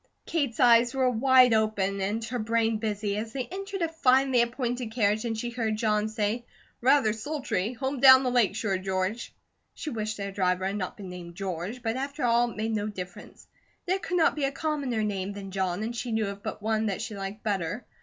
Kate's eyes were wide open and her brain busy, as they entered a finely appointed carriage and she heard John say: "Rather sultry. Home down the lake shore, George." She wished their driver had not been named "George," but after all it made no difference. There could not be a commoner name than John, and she knew of but one that she liked better.